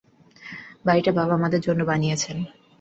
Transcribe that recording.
বাড়িটা বাবা আমাদের জন্য বানিয়েছেন।